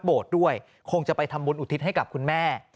ครับโบสถ์ด้วยคงจะไปทำบุญอุทิตย์ให้กับคุณแม่